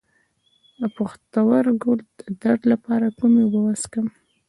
د پښتورګو د درد لپاره کومې اوبه وڅښم؟